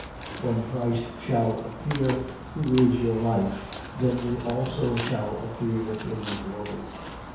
3:4. When Christ shall appear, who is your life, then you also shall appear with him in glory.